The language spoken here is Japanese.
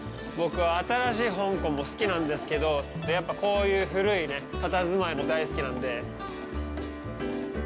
僕は、新しい香港も好きなんですけど、やっぱ、こういう古いたたずまいも大好きなんで。